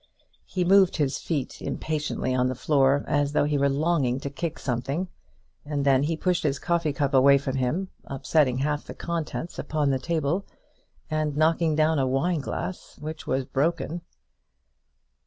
He moved his feet impatiently on the floor, as though he were longing to kick something; and then he pushed his coffee cup away from him, upsetting half the contents upon the table, and knocking down a wine glass, which was broken.